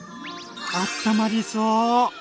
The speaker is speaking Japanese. あったまりそう！